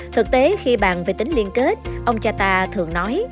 thực tế khi bàn về tính liên kết ông chata thường nói